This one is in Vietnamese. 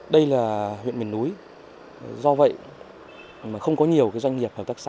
đây là huyện biển núi do vậy không có nhiều doanh nghiệp hợp tác xã